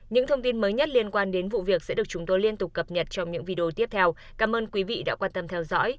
những thông tin mới nhất liên quan đến vụ việc sẽ được chúng tôi liên tục cập nhật trong những video tiếp theo